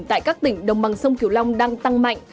tại các tỉnh đồng bằng sông kiều long đang tăng mạnh